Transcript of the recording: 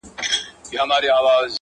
د لېوه له خولې به ولاړ سمه قصاب ته-